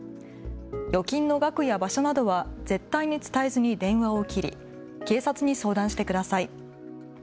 預金の額や場所などは絶対に伝えずに電話を切り警察に相談してください。